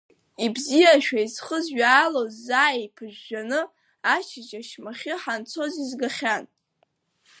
Ибзиашәа изхызҩаалоз заа иԥыжәжәаны, ашьыжь ашьмахьы ҳанцоз изгахьан.